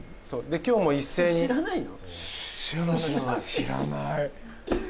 今日も一斉に知らないの？